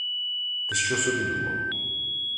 Ти що собі думав?